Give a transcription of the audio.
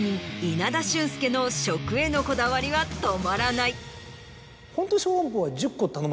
稲田俊輔の食へのこだわりは止まらない。